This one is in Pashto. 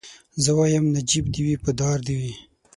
زه وايم نجيب دي وي په دار دي وي